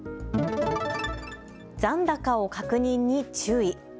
残高を確認に注意。